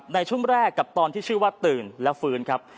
ในช่วงแรกกับตอนที่ชื่อว่าตื่นและฟื้นครับ